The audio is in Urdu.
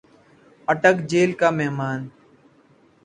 اٹک جیل کا مہمان